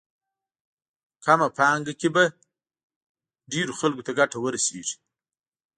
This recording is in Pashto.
کمه پانګه کې به ډېرو خلکو ته ګټه ورسېږي.